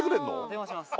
電話します